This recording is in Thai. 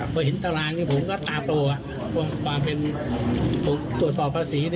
พอเห็นตารางผมก็ตาโตความเป็นถูกตรวจสอบภาษี